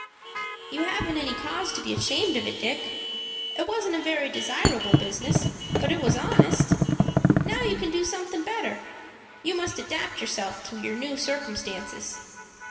"You haven't any cause to be ashamed of it, Dick. It wasn't a very desirable business, but it was honest. Now you can do something better. You must adapt yourself to your new circumstances."